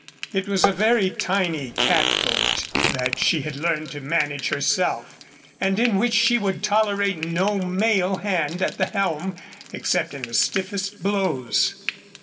It was a very tiny catboat that she had learned to manage herself and in which she would tolerate no male hand at the helm except in the stiffest blows.